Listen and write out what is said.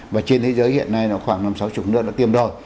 và trên thế giới hiện nay nó khoảng năm sáu chục nước đã tiêm rồi